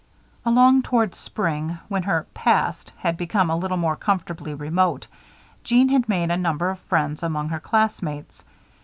Along toward spring, when her "past" had become a little more comfortably remote, Jeanne had made a number of friends among her classmates.